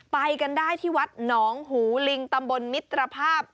ไปกันได้ที่วัดหนองหูลิงตำบลมิตรภาพ